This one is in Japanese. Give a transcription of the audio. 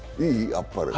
あっぱれ。